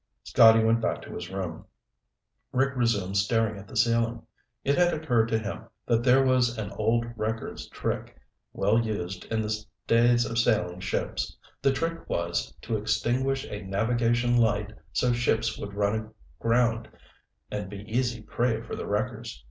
Scotty went back to his book. Rick resumed staring at the ceiling. It had occurred to him that there was an old wrecker's trick, well used in the days of sailing ships. The trick was to extinguish a navigation light so ships would run aground and be easy prey for the wreckers.